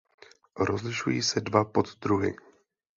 Rozlišují se dva poddruhy.